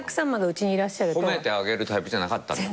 褒めて上げるタイプじゃなかったんだ？